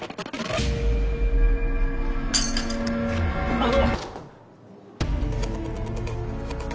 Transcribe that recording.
あの！